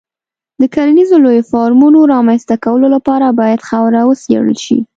د کرنیزو لویو فارمونو رامنځته کولو لپاره باید خاوره وڅېړل شي.